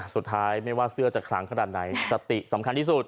สุดท้ายไม่ว่าเสื้อจะขลังขนาดไหนสติสำคัญที่สุด